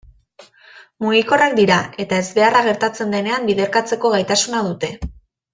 Mugikorrak dira eta ezbeharra gertatzen denean biderkatzeko gaitasuna dute.